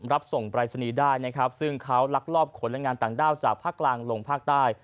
รับส่งปรายศนีย์ได้นะครับซึ่งเขาลักลอบขนและงานต่างด้าวจากภาคกลางลงภาคใต้